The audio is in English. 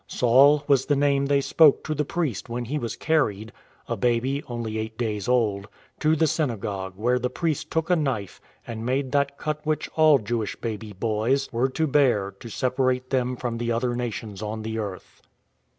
" Saul " was the name they spoke to the priest when he was carried — a baby only eight days old — to the synagogue where the priest took a knife and made that cut which all Jewish baby boys were to bear to separate them from the other nations on the earth.